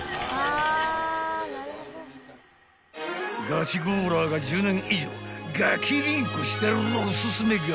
［ガチゴーラーが１０年以上ガキリンコしてるおすすめが］